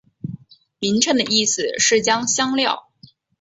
名称的意思是将香料。